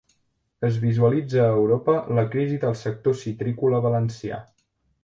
Es visualitza a Europa la crisi del sector citrícola valencià